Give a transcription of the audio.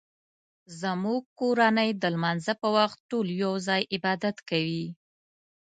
زموږ کورنۍ د لمانځه په وخت ټول یو ځای عبادت کوي